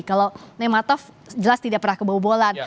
kalau nematov jelas tidak pernah kebobolan